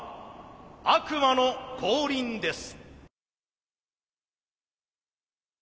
悪魔の降臨です。